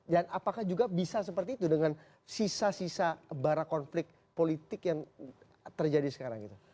dan apakah juga bisa seperti itu dengan sisa sisa bara konflik politik yang terjadi sekarang gitu